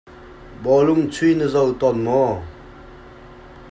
Bawlung chuih na zoh tawn maw?